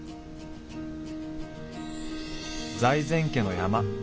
財前家の山。